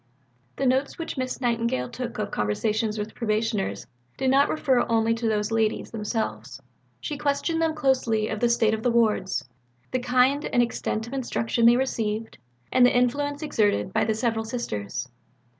The notes which Miss Nightingale took of conversations with Probationers did not refer only to those ladies themselves. She questioned them closely of the state of the wards, the kind and extent of instruction they received, and the influence exerted by the several Sisters.